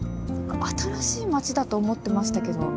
新しい街だと思ってましたけど。